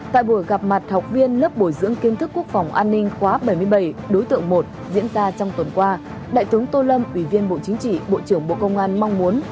tại buổi gặp mặt học viên lớp bồi dưỡng kiến thức quốc phòng an ninh quá bảy mươi bảy đối tượng một diễn ra trong tuần qua đại tướng tô lâm ủy viên bộ chính trị bộ trưởng bộ công an mong muốn